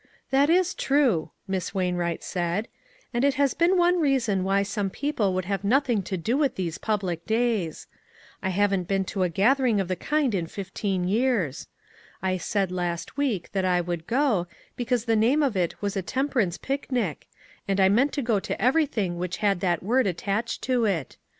"That is true," Miss Wainwright said, " and it has been one reason why some people would have nothing to do with these public days. I haven't been to a 94 ONE COMMONPLACE DAY. gathering of the kind in fifteen years. I said last week that I would go, because the name of it was a temperance picnic, and I meant to go to everything which had that word attached to it.